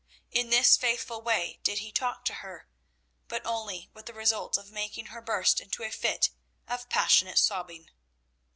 In this faithful way did he talk to her, but only with the result of making her burst into a fit of passionate sobbing.